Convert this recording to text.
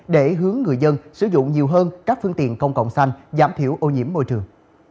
để hướng người dân sử dụng nhiều hơn các phương tiện công cộng xanh giảm thiểu ô nhiễm môi trường